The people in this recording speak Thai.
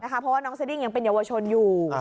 เพราะว่าน้องสดิ้งยังเป็นเยาวชนอยู่